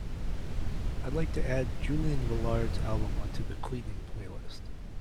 I'd like to add Julian Velard's album onto the cleaning playlist.